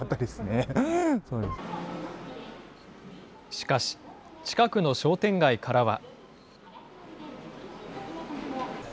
しかし、近くの商店街からは。